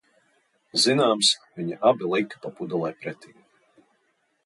Zināms, viņi abi lika pa pudelei pretī.